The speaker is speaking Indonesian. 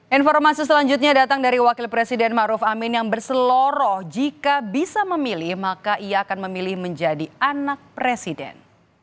informasi selanjutnya datang dari wakil presiden maruf amin yang berseloroh jika bisa memilih maka ia akan memilih menjadi anak presiden